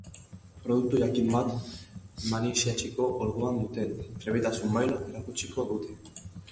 Produktu jakin bat maneiatzeko orduan duten trebetasun maila erakutsiko dute.